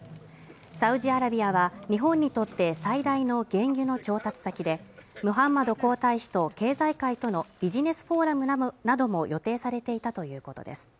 サウジアラビアは日本にとって最大の原油の調達先でムハンマド皇太子と経済界とのビジネスフォーラムなども予定されていたということです